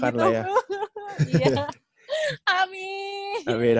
dan gak boleh kayak gitu